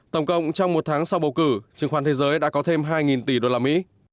tổng cộng trong một tháng sau bầu cử chứng khoán thế giới đã có thêm hai tỷ usd